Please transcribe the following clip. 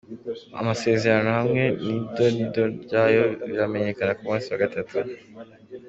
Amasezerano hamwe n'ido n'ido ry'ayo biramenyekana ku musi wa gatatu.